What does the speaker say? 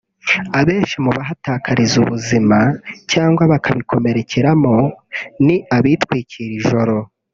Abenshi mu bahatakariza ubuzima cyangwa bakabikomerekeramo ni abitwikira ijoro